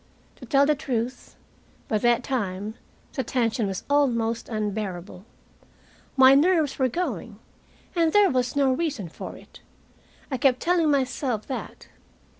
To tell the truth, by that time the tension was almost unbearable. My nerves were going, and there was no reason for it. I kept telling myself that.